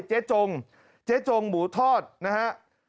เจ๊จงหมูทอดนะฮะ